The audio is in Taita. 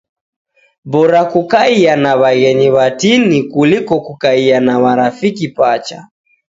Bora kukaia na waghenyi watini kuliko kukaia na marafiki pacha..